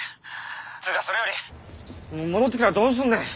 っつうかそれより戻ってきたらどうすんねん。